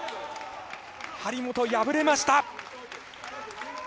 張本、敗れました。